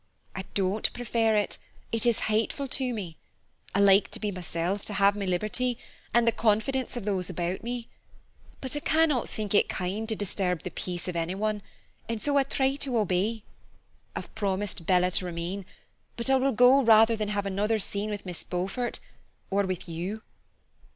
"I don't prefer it; it is hateful to me. I like to be myself, to have my liberty, and the confidence of those about me. But I cannot think it kind to disturb the peace of anyone, and so I try to obey. I've promised Bella to remain, but I will go rather than have another scene with Miss Beaufort or with you."